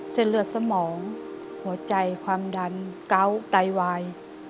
เส้นเลือดสมองหัวใจความดันเกาะไตวาย